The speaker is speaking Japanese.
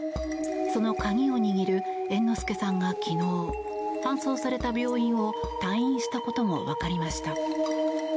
その鍵を握る猿之助さんが、昨日搬送された病院を退院したことも分かりました。